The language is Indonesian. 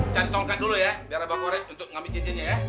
cari tongkat dulu ya biar abang korek ngambil cincinnya